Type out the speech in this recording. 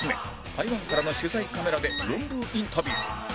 台湾からの取材カメラでロンブーインタビュー